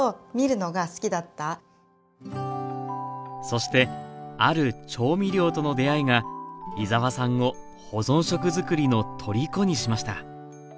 そしてある調味料との出会いが井澤さんを保存食づくりの虜にしました